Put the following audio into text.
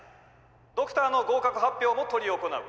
「ドクターの合格発表も執り行う。